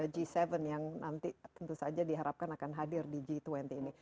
g tujuh yang nanti tentu saja diharapkan akan hadir di g dua puluh ini